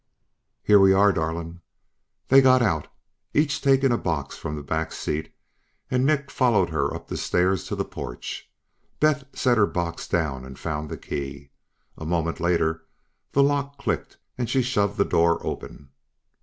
"Here we are, darling." They got out, each taking a box from the back seat, and Nick followed her up the stairs to the porch. Beth set her box down and found the key. A moment later the lock clicked and she shoved the door open.